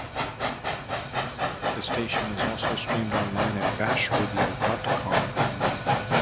The station is also streamed online at bashradio dot com.